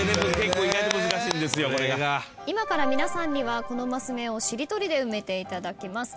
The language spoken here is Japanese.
今から皆さんにはこのマス目をしりとりで埋めていただきます。